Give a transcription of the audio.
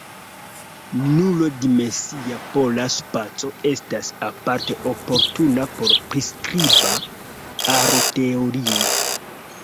Nulo-dimensia pola spaco estas aparte oportuna por priskriba aroteorio.